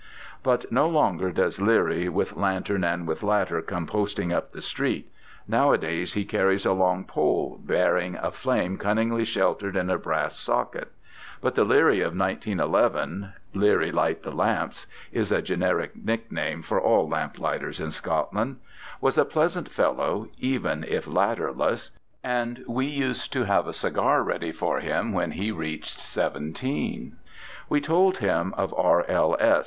But no longer does Leerie "with lantern and with ladder come posting up the street." Nowadays he carries a long pole bearing a flame cunningly sheltered in a brass socket. But the Leerie of 1911 ("Leerie light the lamps" is a generic nickname for all lamplighters in Scotland) was a pleasant fellow even if ladderless, and we used to have a cigar ready for him when he reached 17. We told him of R.L.S.